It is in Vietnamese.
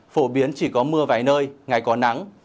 phổ biến chỉ có mưa vài nơi ngày có nắng